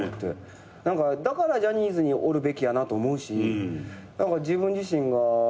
だからジャニーズにおるべきやなと思うし自分自身が。